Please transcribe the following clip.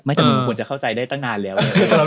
ไม่จำเป็นว่าควรจะเข้าใจตั้งนานแล้ว